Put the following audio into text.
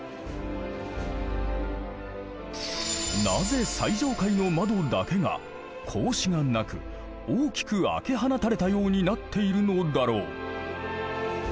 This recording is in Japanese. なぜ最上階の窓だけが格子がなく大きく開け放たれたようになっているのだろう。